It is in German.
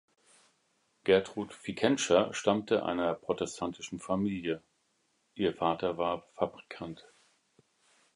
Gertrud Fikentscher stammte einer protestantischen Familie; ihr Vater war Fabrikant.